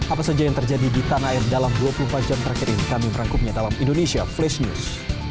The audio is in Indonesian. apa saja yang terjadi di tanah air dalam dua puluh empat jam terakhir ini kami merangkumnya dalam indonesia flash news